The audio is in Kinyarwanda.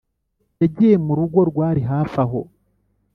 Yagiye mu rugo rwari hafi aho